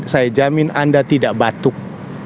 saya jamin anda tidak batuk